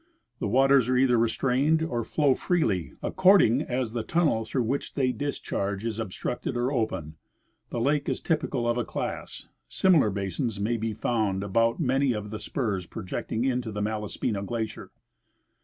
The waters are either restrained or flow freely, accord ing as the tunnel through which they discharge is obstructed or open. The lake is typical of a class. Similar basins may be found about many of the spurs projecting into the Malaspina glacier.